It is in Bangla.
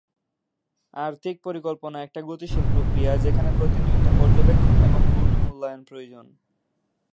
আর্থিক পরিকল্পনা একটা গতিশীল প্রক্রিয়া যেখানে প্রতিনিয়ত পর্যবেক্ষণ এবং পুর্ণ-মূল্যায়ন প্রয়োজন।